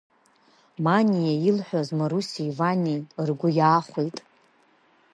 Маниа илҳәаз Марусиеи Ивани ргәы иаахәеит.